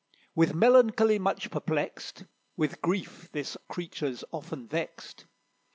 With melancholy much perplexed (With grief this creature's often vexed).